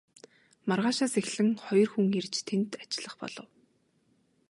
Маргаашаас нь эхлэн хоёр хүн ирж тэнд ажиллах болов.